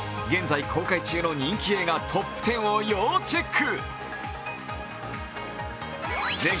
現在公開中の人気映画トップ１０を要チェック。